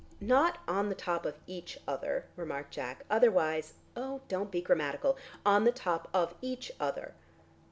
"Not on the top of each other," remarked Jack. "Otherwise " "Oh, don't be grammatical. On the top of each other."